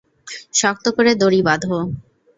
শক্ত করে দড়ি বাঁধো।